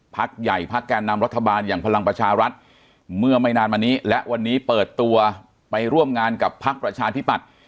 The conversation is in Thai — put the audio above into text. พักใหญ่พักแก่นำรัฐบาลอย่างพลังประชารัฐเมื่อไม่นานมานี้และวันนี้เปิดตัวไปร่วมงานกับพักประชาธิปัตย์